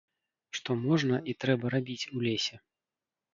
Што можна і трэба рабіць у лесе?